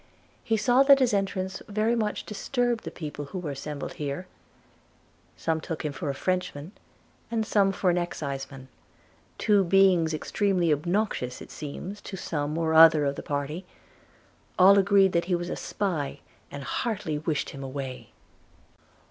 He saw that his entrance very much disturbed the people who were assembled here. Some took him for a Frenchman, and some for an Exciseman; two beings extremely obnoxious, it seems, to some or other of the party. All agreed that he was a spy, and heartily wished him away.